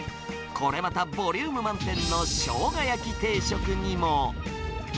これまたボリューム満点の生姜焼定食にも。